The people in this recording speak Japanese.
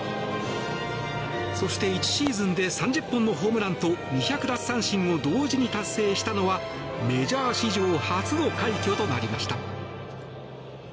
そして１シーズンで３０のホームランと２００奪三振を同時に達成したのはメジャー史上初の快挙となりました。